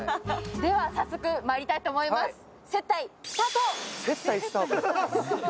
では、早速まいりたいと思います